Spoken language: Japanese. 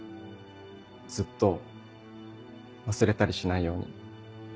ずっと忘れたりしないように。